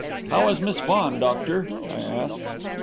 "How is Miss Vaughan, doctor?" I asked.